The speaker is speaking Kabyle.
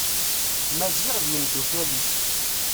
Maziɣ d yimddukal-is.